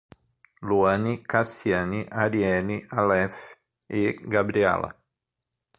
Luane, Cassiane, Ariele, Alef e Gabriella